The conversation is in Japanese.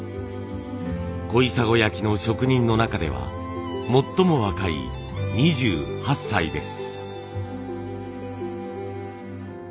小砂焼の職人の中では最も若い２８歳です。